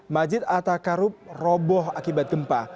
masjid atta karub roboh akibat gempa